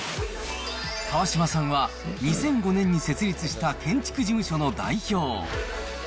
川島さんは、２００５年に設立した建築事務所の代表。